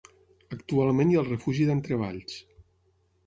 Actualment hi ha el Refugi d'Entrevalls.